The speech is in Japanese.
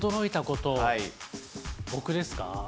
僕ですか？